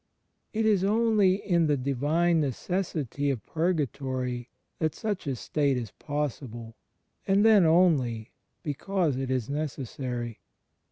It is only in the "divine necessity" of Purgatory that such a state is possible; and then, only, because it is necessary.